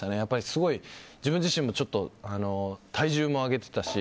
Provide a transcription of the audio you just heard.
すごい、自分自身も体重も上げてたし。